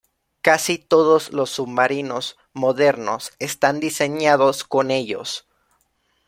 Casi todos los submarinos modernos están diseñados con ellos.